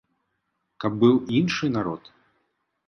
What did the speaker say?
Каб быў іншы народ?